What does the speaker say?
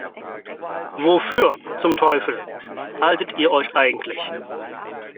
Wofür, zum Teufel, haltet ihr euch eigentlich?